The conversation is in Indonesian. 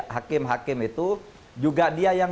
hakim hakim itu juga dia yang